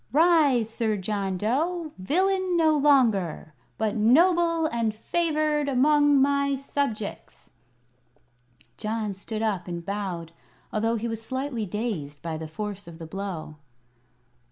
"Rise, Sir John Dough villain no longer, but noble and favored among my subjects!" John stood up and bowed, although he was slightly dazed by the force of the blow.